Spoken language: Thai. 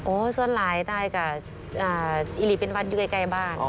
โอ้ส่วนหลายตายกับอิริเป็นวัดด้วยใกล้บ้าน